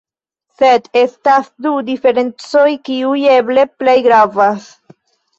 Sed estas du diferencoj kiuj eble plej gravas.